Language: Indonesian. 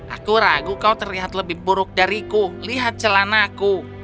aku ragu kau terlihat lebih buruk dariku lihat celanaku